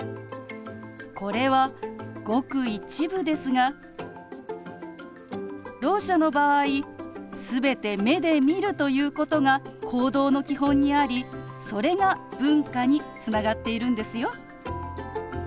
これはごく一部ですがろう者の場合全て目で見るということが行動の基本にありそれが文化につながっているんですよ。